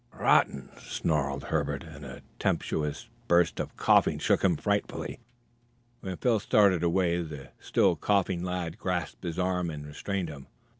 "Rotten!" snarled Herbert, and a tempestuous burst of coughing shook him frightfully. When Phil started away the still coughing lad grasped his arm and restrained him.